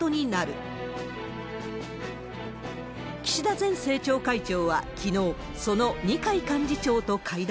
前政調会長はきのう、その二階幹事長と会談。